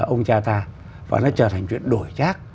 anh cha ta và nó trở thành chuyện đổi chác